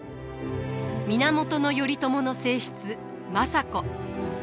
源頼朝の正室政子。